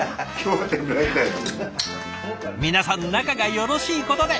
皆さん仲がよろしいことで！